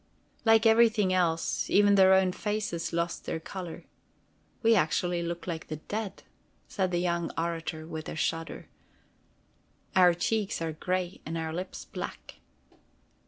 Like everything else, even their own faces lost their color. "We actually look like the dead," said the young orator with a shudder. "Our cheeks are gray and our lips black."